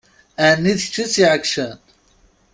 Ɛni d kečč i tt-iɛeggcen?